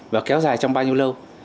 và kéo dài trong bao nhiêu lâu